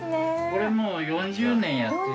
これもう４０年やってる。